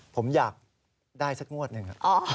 ผมอยากได้สักงวดหนึ่ง